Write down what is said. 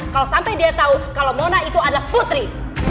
kalau sampai dia tahu kalau mona itu adalah putri